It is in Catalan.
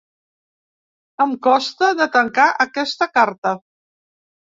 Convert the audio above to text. Em costa de tancar aquesta carta.